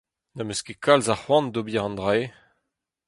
N'em eus ket kalz a c'hoant d'ober an dra-se.